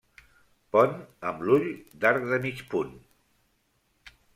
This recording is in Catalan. Pont amb l'ull d'arc de mig punt.